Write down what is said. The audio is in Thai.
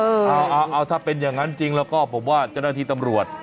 เอาถ้าเป็นอย่างนั้นจริงแล้วก็ผมว่าเจ้าหน้าที่ตำรวจ